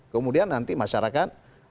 kemudian nanti masyarakat